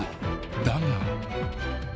［だが］